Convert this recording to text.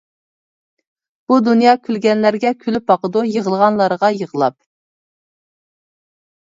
بۇ دۇنيا كۈلگەنلەرگە كۈلۈپ باقىدۇ، يىغلىغانلارغا يىغلاپ.